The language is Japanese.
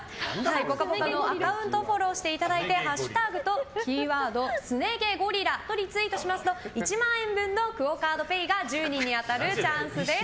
「ぽかぽか」のアカウントをフォローしていただいてハッシュタグとキーワード、すね毛ゴリラでリツイートしますと１万円分のＱＵＯカードＰａｙが１０人に当たるチャンスです。